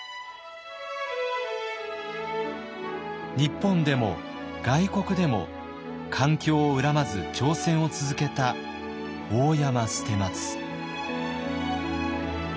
日本でも外国でも環境を恨まず挑戦を続けた大山捨松。